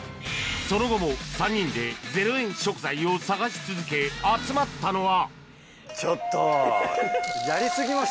その後も３人で０円食材を探し続け集まったのはちょっと。